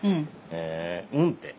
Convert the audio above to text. へえ「うん」って。